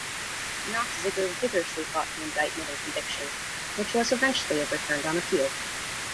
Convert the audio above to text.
Nofziger vigorously fought the indictment and conviction, which was eventually overturned on appeal.